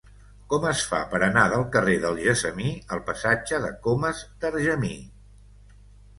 Com es fa per anar del carrer del Gessamí al passatge de Comas d'Argemí?